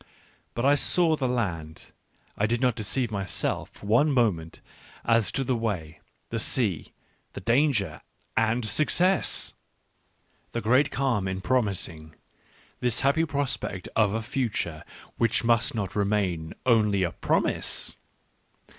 But I saw the land — I did not deceive myself for one moment as to the way, the sea, the danger — and success ! The great calm in promising, this happy prospect of a future which must not remain only a promise